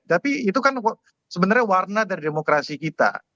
tapi itu kan sebenarnya warna dari demokrasi kita